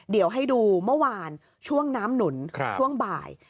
เดี๋ยวให้ดูเมื่อวานช่วงน้ำหนุนช่วงบ่าย